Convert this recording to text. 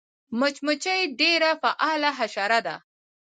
مچمچۍ ډېره فعاله حشره ده